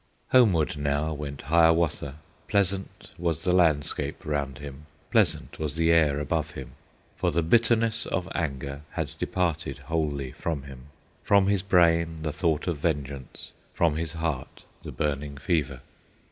Homeward now went Hiawatha; Pleasant was the landscape round him, Pleasant was the air above him, For the bitterness of anger Had departed wholly from him, From his brain the thought of vengeance, From his heart the burning fever.